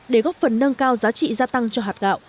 để góp phần nâng cao giá trị gia tăng cho hạt gạo